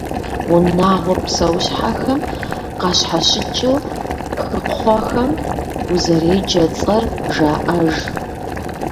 Унагъуэ псэущхьэхэм къащхьэщыкӏыу, хыкхъуэхэм узэреджэ цӏэр жаӏэж.